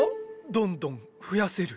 どんどん増やせる。